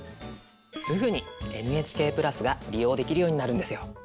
すぐにＮＨＫ＋が利用できるようになるんですよ。